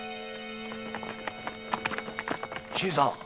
新さん